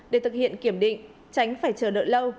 để thực hiện kiểm định tránh phải chờ đợi lâu